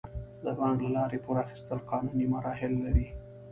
د بانک له لارې پور اخیستل قانوني مراحل لري.